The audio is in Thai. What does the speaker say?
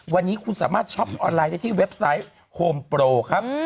วันนี้คุณสามารถช็อปออนไลน์ได้ที่เว็บไซต์โฮมโปรครับ